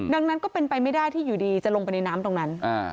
ดังนั้นก็เป็นไปไม่ได้ที่อยู่ดีจะลงไปในน้ำตรงนั้น